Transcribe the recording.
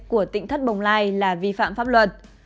của tỉnh thất bồng lai là vi phạm pháp luật